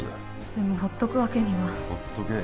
でもほっとくわけにはほっとけ